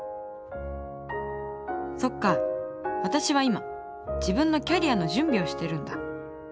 そっか私は今自分のキャリアの準備をしてるんだ。